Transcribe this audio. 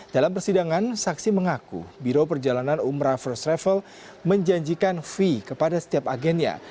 dalam persidangan saksi mengaku biro perjalanan umrah first travel menjanjikan fee kepada setiap agennya